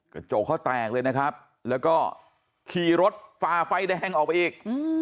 กระจกเขาแตกเลยนะครับแล้วก็ขี่รถฝ่าไฟแดงออกไปอีก